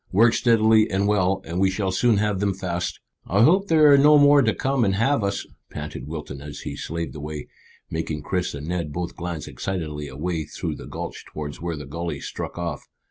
"Work steadily and well, and we shall soon have them fast." "I hope there are no more to come and have us," panted Wilton as he slaved away, making Chris and Ned both glance excitedly away through the gulch towards where the gully struck off.